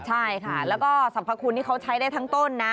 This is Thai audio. ใช่ค่ะแล้วก็สรรพคุณนี่เขาใช้ได้ทั้งต้นนะ